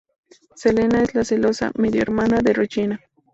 Zelena es la celosa medio-hermana de Regina.